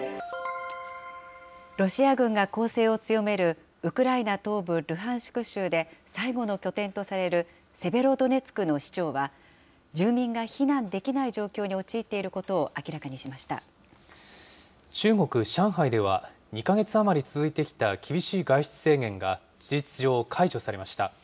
ロシア軍が攻勢を強める、ウクライナ東部ルハンシク州で、最後の拠点とされる、セベロドネツクの市長は、住民が避難できない状況に陥っているこ中国・上海では、２か月余り続いてきた厳しい外出制限が事実上、解除されました。